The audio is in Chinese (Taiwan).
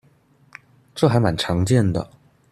這還蠻常見的